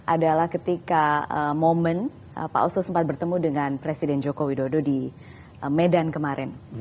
adalah ketika momen pak oso sempat bertemu dengan presiden joko widodo di medan kemarin